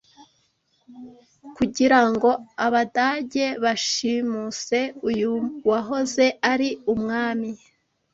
Kugira ngo Abadage bashimuse uyu wahoze ari umwami,